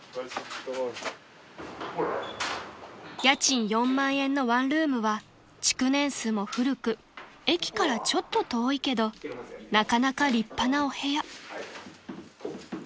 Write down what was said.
［家賃４万円のワンルームは築年数も古く駅からちょっと遠いけどなかなか立派なお部屋］